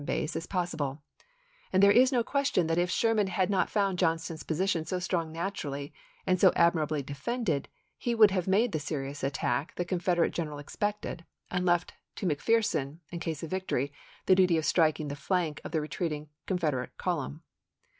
base as possible ; and there is no question that if Sherman had not found Johnston's position so strong naturally, and so admirably defended, he would have made the serious attack the Confeder SHERMAN'S CAMPAIGN TO THE CHATTAHOOCHEE 11 ate general expected, and left to McPherson, in case chap.i. of victory, the duty of striking the flank of the retreating Confederate column.